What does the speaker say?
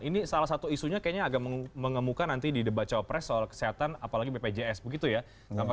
ini salah satu isunya kayaknya agak mengemuka nanti di debat cawapres soal kesehatan apalagi bpjs begitu ya